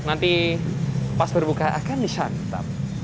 nanti pas berbuka akan disantap